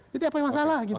jadi apa yang masalah